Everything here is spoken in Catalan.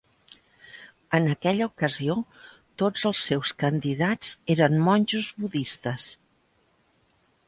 En aquella ocasió, tots els seus candidats eren monjos budistes.